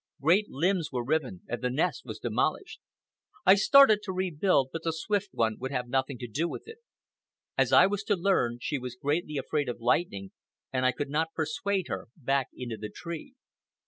Great limbs were riven, and the nest was demolished. I started to rebuild, but the Swift One would have nothing to do with it. As I was to learn, she was greatly afraid of lightning, and I could not persuade her back into the tree.